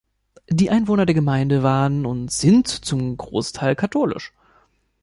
Die Einwohner der Gemeinde waren und sind zum Großteil katholisch.